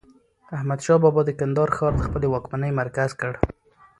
احمد شاه بابا د کندهار ښار د خپلي واکمنۍ مرکز کړ.